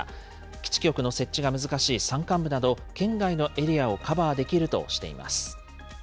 基地局の設置が難しい山間部など、圏外のエリアをカバーできるとしています。